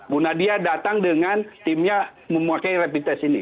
bu nadia datang dengan timnya memakai rapid test ini